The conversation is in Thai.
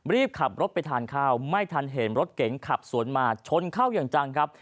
รีบขับรถไปทานข้าวไม่ทันเห็นรถเก๋งขับสวนมาชนเข้าอย่างจังครับ